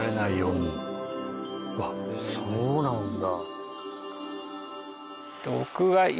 わあそうなんだ。